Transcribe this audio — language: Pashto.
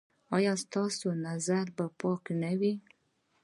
ایا ستاسو نظر به پاک نه وي؟